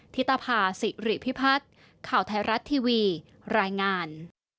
ธิตภาษิริพิพัฒน์ข่าวไทยรัฐทีวีรายงาน